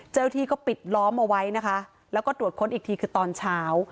เจ้าที่ก็ปิดล้อมเอาไว้นะคะแล้วก็ตรวจค้นอีกทีคือตอนเช้า